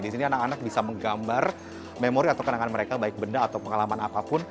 di sini anak anak bisa menggambar memori atau kenangan mereka baik benda atau pengalaman apapun